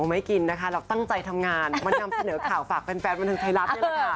ไม่กินนะคะเราตั้งใจทำงานมานำเสนอข่าวฝากแฟนบันเทิงไทยรัฐนี่แหละค่ะ